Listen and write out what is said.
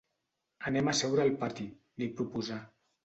Anem a seure al pati —li proposà—.